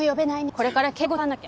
これから敬語使わなきゃ。